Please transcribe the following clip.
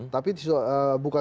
tapi bukan tidak mungkin